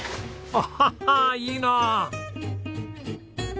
アハハッいいなあ！